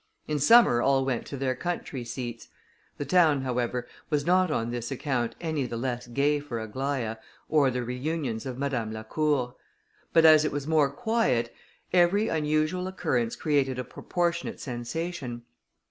In summer all went to their country seats. The town, however, was not on this account any the less gay for Aglaïa, or the reunions of Madame Lacour; but as it was more quiet, every unusual occurrence created a proportionate sensation.